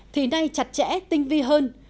thì nay chặt chẽ tinh vi hơn